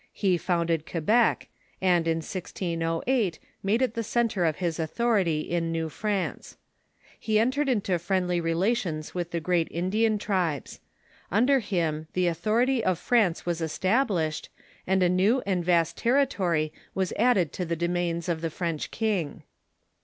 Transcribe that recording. He founded Quebec, and in 1608 made it the centre of his author 438 THE CHUECH IN THE UNITED STATES ity in New France. He entered into friendly relations witli the great Indian tribes. Under him the authority of France was established, and a new and vast territory was added to the domains of the French king.